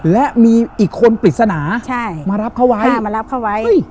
และมีอีกคนปริศนามารับเขาไว้